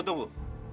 kita ajar rangga